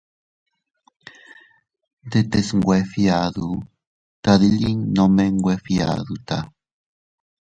Ndetes nwe fgiadu, tadilitin nome nwe fgiaduta.